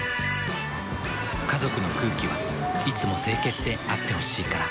家族の空気はいつも清潔であってほしいから。